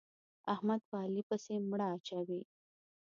احمد په علي پسې مړه اچوي.